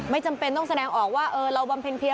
จำเป็นต้องแสดงออกว่าเราบำเพ็ญเพียร